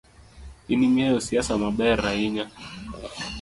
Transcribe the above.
In ingeyo siasa maber hainya.